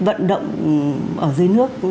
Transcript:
vận động ở dưới nước